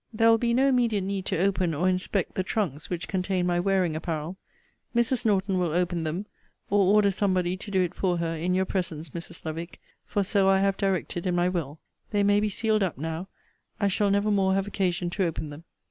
There will be no immediate need to open or inspect the trunks which contain my wearing apparel. Mrs. Norton will open them, or order somebody to do it for her, in your presence, Mrs. Lovick; for so I have directed in my will. They may be sealed up now: I shall never more have occasion to open them.